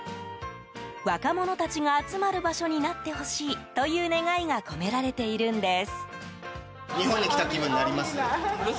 若者たちが集まる場所になってほしいという願いが込められているんです。